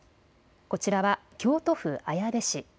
こちらは京都府綾部市。